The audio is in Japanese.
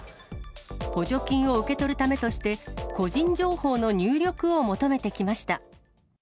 補助金を受け取るためとして、個人情報の入力を求めてきました。